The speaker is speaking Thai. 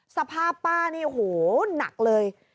สภาพป้านี่โหหนักเลย